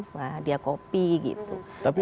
wah dia copy gitu